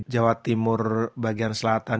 jawa timur bagian selatan